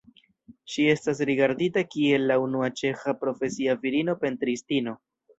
Ŝi estas rigardita kiel la unua ĉeĥa profesia virino pentristino.